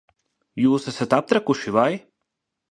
Jūs esat aptrakuši, vai?